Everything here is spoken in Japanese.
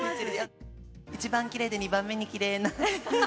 一番きれいで２番目にきれいなの。